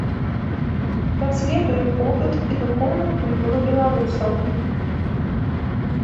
Даследуе побыт і духоўную культуру беларусаў.